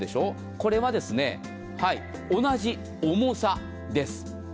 これは同じ重さです。